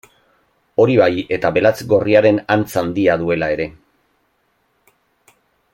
Hori bai eta belatz gorriaren antza handia duela ere.